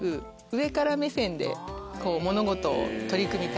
上から目線で物事を取り組みたいんですね。